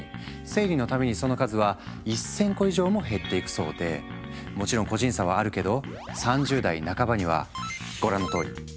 生理の度にその数は１，０００個以上も減っていくそうでもちろん個人差はあるけど３０代半ばにはご覧のとおり。